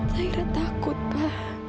zaira takut pa